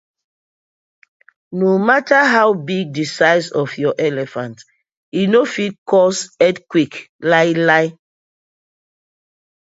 No matta how big di size of elephant, e no fit cause earthquake lai la.